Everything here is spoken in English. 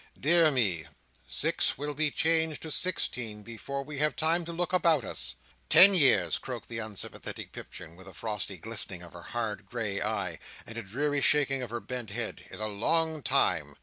"Dear me, six will be changed to sixteen, before we have time to look about us." "Ten years," croaked the unsympathetic Pipchin, with a frosty glistening of her hard grey eye, and a dreary shaking of her bent head, "is a long time."